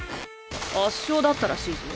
圧勝だったらしいぞ。